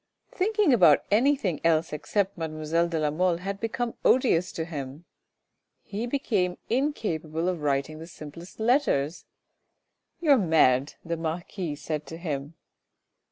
Thinking about anything else except mademoiselle de la Mole had become odious to him ; he became incapable of writing the simplest letters. " You are mad," the marquis said to him.